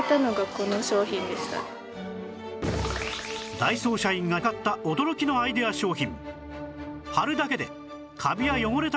ダイソー社員が買った驚きのアイデア商品